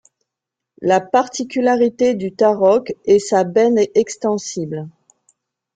La particularité du Tarok est sa benne extensible.